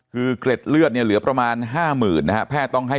คือเกล็ดเลือดเนี่ยเหลือประมาณ๕๐๐๐นะฮะแพทย์ต้องให้